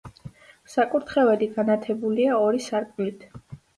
საკურთხეველი განათებულია ორი სარკმლით.